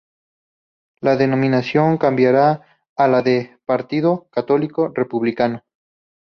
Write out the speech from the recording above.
La denominación cambiara a la de "Partido Católico Republicano".